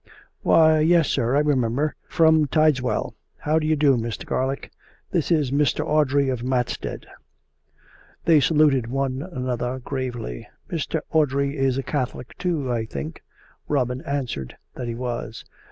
" Why, yes, sir, I remember — from Tideswell. How do you do, Mr. Garlick? This is Mr. Audrey, of Matstead." They saluted one aftother gravely. " Mr. Audrey is a Catholic, too, I think? " Robin answered that he was.